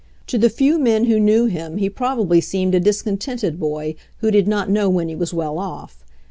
To the few men who knew him he probably seemed a discontented boy who did not know when he was well off.